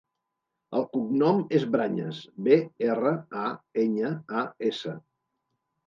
El cognom és Brañas: be, erra, a, enya, a, essa.